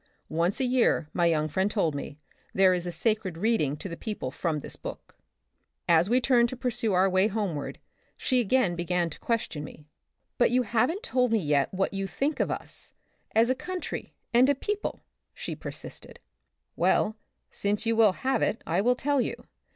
Once a year, my young friend told me, there is a sacred read ing to the people from this book. As we turned to pursue our way homeward she again began to question me —" But you haven't told me yet what you think of us — as a country and a people,'* she persisted. " Well, since you will have it I will tell you.